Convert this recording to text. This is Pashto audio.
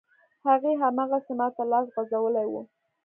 هغې، هماغسې ماته لاس غځولی و.